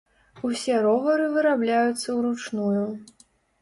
Усе ровары вырабляюцца ўручную.